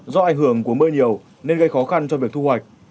do ảnh hưởng của mưa nhiều nên gây khó khăn cho việc thu hoạch